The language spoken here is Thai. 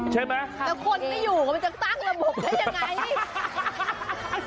ใช่มั้ยแต่คนสามารถอยู่บนจะตั้งระบบได้ยังไง